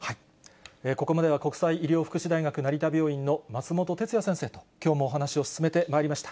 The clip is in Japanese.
ここまでは国際医療福祉大学成田病院の松本哲哉先生と、きょうもお話を進めてまいりました。